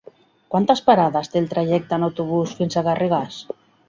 Quantes parades té el trajecte en autobús fins a Garrigàs?